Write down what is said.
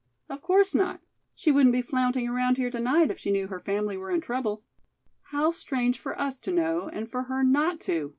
"Of course not. She wouldn't be flaunting around here to night if she knew her family were in trouble." "How strange for us to know and for her not to!"